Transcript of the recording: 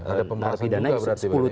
ada pemerintahan juga berarti